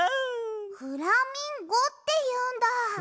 フラミンゴっていうんだ。